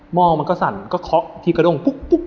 หม้อมันก็สั่นก็คล๊อกพี่กระด้ง